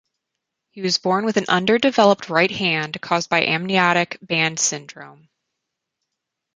He was born with an underdeveloped right hand caused by amniotic band syndrome.